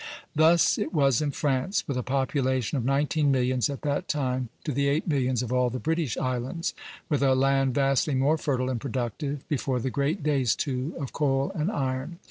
" Thus it was in France, with a population of nineteen millions at that time to the eight millions of all the British Islands; with a land vastly more fertile and productive; before the great days, too, of coal and iron.